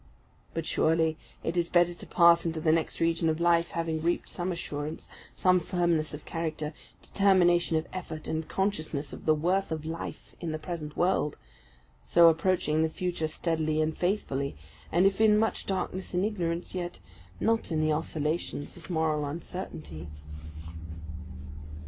But surely it is better to pass into the next region of life having reaped some assurance, some firmness of character, determination of effort, and consciousness of the worth of life, in the present world; so approaching the future steadily and faithfully, and if in much darkness and ignorance, yet not in the oscillations of moral uncertainty.